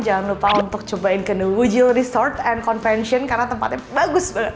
jangan lupa untuk cobain ke new jil resort convention karena tempatnya bagus banget